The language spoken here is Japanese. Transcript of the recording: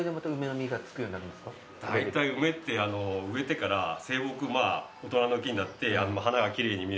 だいたい梅って植えてから成木大人の木になって花が奇麗に見えて。